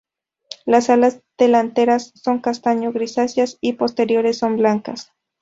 Las alas delanteras son castaño grisáceas y las posteriores son blancas.